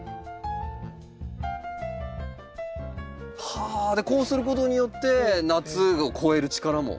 はぁこうすることによって夏を越える力も。